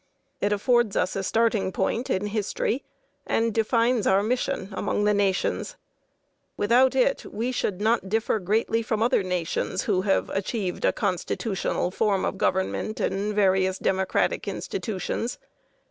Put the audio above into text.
It affords us a starting point in history and defines our mission among the nations. Without it, we should not differ greatly from other nations who have achieved a constitutional form of government and various democratic institutions.